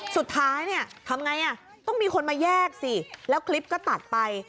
สุดท้ายเนี่ยทำไงต้องมีคนมาแยกสิแล้วคลิปก็ตัดไป